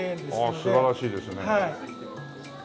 ああ素晴らしいですね。